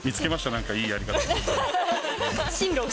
なんかいいやり方。